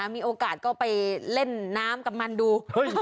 มีโอกาสก็ไปเล่นน้ำกับมันดู